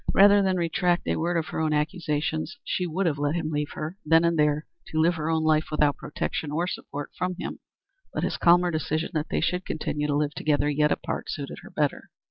Rather than retract a word of her own accusations she would have let him leave her, then and there, to live her own life without protection or support from him, but his calmer decision that they should continue to live together, yet apart, suited her better.